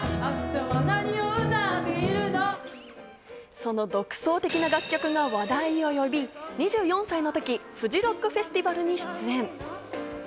その独創的な楽曲が話題を呼び、２４歳のとき、フジロックフェスティバルに出演。